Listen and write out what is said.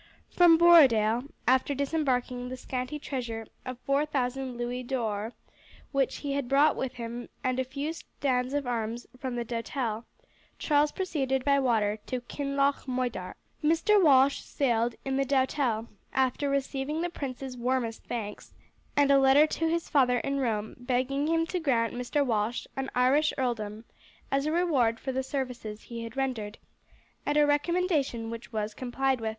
From Borodale, after disembarking the scanty treasure of four thousand louis d'or which he had brought with him and a few stands of arms from the Doutelle, Charles proceeded by water to Kinloch Moidart. Mr. Walsh sailed in the Doutelle, after receiving the prince's warmest thanks, and a letter to his father in Rome begging him to grant Mr. Walsh an Irish earldom as a reward for the services he had rendered, a recommendation which was complied with.